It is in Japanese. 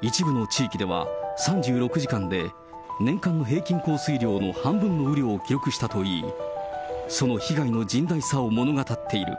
一部の地域では、３６時間で年間の平均降水量の半分の雨量を記録したといい、その被害の甚大さを物語っている。